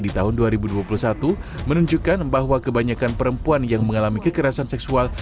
di tahun dua ribu dua puluh satu menunjukkan bahwa kebanyakan perempuan yang mengalami kekerasan seksual